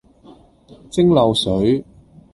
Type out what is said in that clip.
蒸餾水